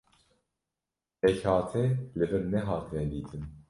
Pêkhate li vir nehatine dîtin.